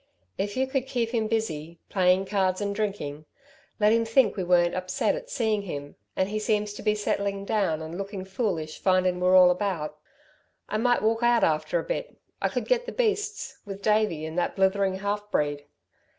"If you could keep him busy, playing cards and drinking let him think we weren't upset at seeing him and he Seems to be settlin' down and looking foolish findin' we're all about I might walk out after a bit. I could get the beasts, with Davey and that blithering half breed.